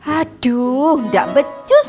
aduh gak becus